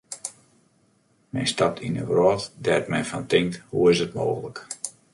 Men stapt yn in wrâld dêr't men fan tinkt: hoe is it mooglik.